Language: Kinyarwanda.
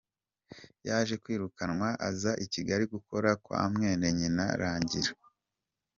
Yaje kwirukanwa aza I Kigali gukora kwa mwene nyina Rangira.